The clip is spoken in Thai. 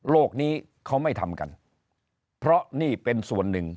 นี้เขาไม่ทำกันเพราะนี่เป็นส่วนหนึ่ง